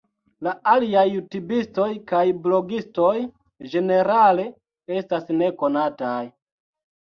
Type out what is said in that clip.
La aliaj jutubistoj kaj blogistoj ĝenerale estas nekonataj.